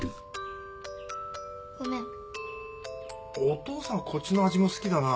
お父さんこっちの味も好きだな。